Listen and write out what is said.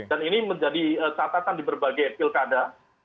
dan ini menjadi catatan di berbagai pilkada